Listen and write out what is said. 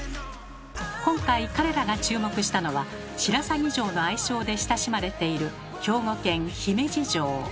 今回彼らが注目したのは「白鷺城」の愛称で親しまれている兵庫県姫路城。